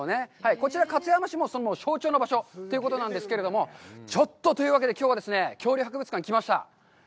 こちら勝山市も、その象徴の場所ということなんですけれども、というわけで、ちょっときょうは恐竜博物館に来ました。